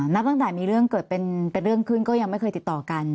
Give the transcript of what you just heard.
ตั้งแต่มีเรื่องเกิดเป็นเรื่องขึ้นก็ยังไม่เคยติดต่อกัน